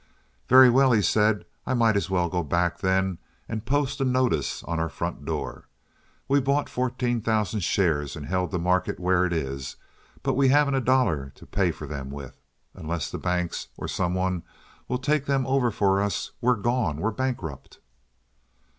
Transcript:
"Very well," he said, "I might as well go back, then, and post a notice on our front door. We bought fourteen thousand shares and held the market where it is, but we haven't a dollar to pay for them with. Unless the banks or some one will take them over for us we're gone—we're bankrupt."